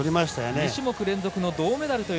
２種目連続の銅メダル。